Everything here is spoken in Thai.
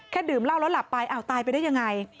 ดื่มเหล้าแล้วหลับไปอ้าวตายไปได้ยังไง